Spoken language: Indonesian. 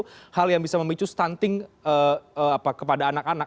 itu hal yang bisa memicu stunting kepada anak anak